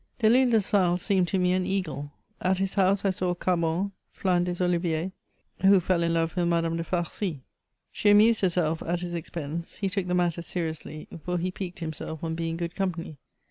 Dehsle de Sales seemed to me an eagle. At his house I saw Carbon, Flins des Oliviers, who fell in love with Madame de Farcy. She amused herself at his expense ; he took the matter seriously, for he piqued himself on being good company.